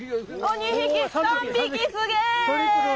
おっ２匹３匹すげえ！